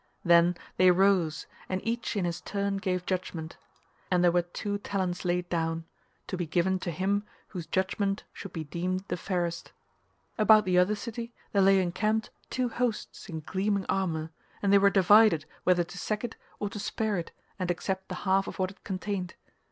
Then they rose and each in his turn gave judgement, and there were two talents laid down, to be given to him whose judgement should be deemed the fairest. About the other city there lay encamped two hosts in gleaming armour, and they were divided whether to sack it, or to spare it and accept the half of what it contained.